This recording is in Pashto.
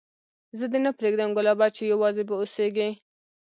زه دي نه پرېږدم ګلابه چي یوازي به اوسېږې